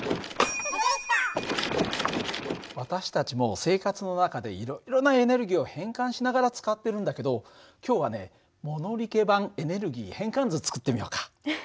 私たちも生活の中でいろいろなエネルギーを変換しながら使ってるんだけど今日はね物理家版エネルギー変換図作ってみようか。